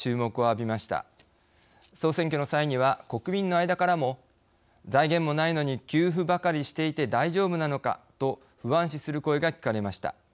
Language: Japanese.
総選挙の際には国民の間からも「財源もないのに給付ばかりしていて大丈夫なのか」と不安視する声が聞かれました。